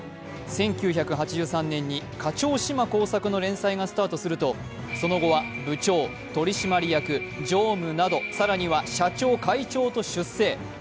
１９８３年に「課長島耕作」の連載がスタートすると、その後は部長、取締役、常務など、更には社長、会長と出世。